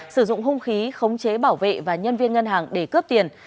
sử dụng hung khí khống chế bảo vệ và nhân viên ngân hàng để cướp tiền